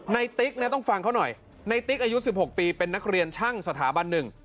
ติ๊กนะต้องฟังเขาหน่อยในติ๊กอายุ๑๖ปีเป็นนักเรียนช่างสถาบันหนึ่ง